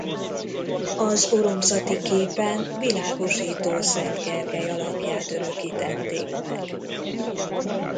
Az oromzati képen Világosító Szent Gergely alakját örökítették meg.